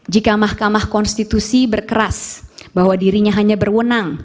jika mahkamah konstitusi berkeras bahwa dirinya hanya berwenang